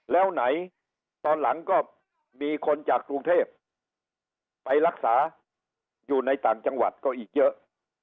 แล้วไหนตอนหลังก็มีคนจากกรุงเทพไปรักษาอยู่ในต่างจังหวัดก็อีกเยอะ